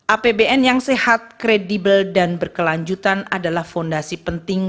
apbn yang sehat kredibel dan berkelanjutan adalah fondasi penting